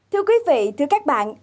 thưa quý vị thưa các bạn